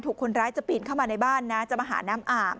คนร้ายจะปีนเข้ามาในบ้านนะจะมาหาน้ำอ่าง